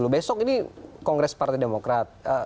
besok ini kongres partai demokrat